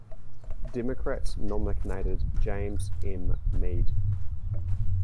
Democrats nominated James M. Mead.